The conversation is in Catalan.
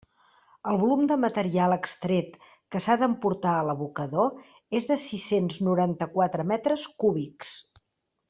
El volum de material extret que s'ha d'emportar a l'abocador és de sis-cents noranta-quatre metres cúbics.